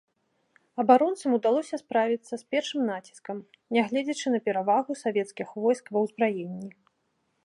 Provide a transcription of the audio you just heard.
Абаронцам удалося справіцца з першым націскам, нягледзячы на перавагу савецкіх войск ва ўзбраенні.